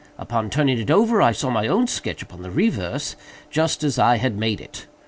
Upon turning it over, I saw my own sketch upon the reverse, just as I had made it.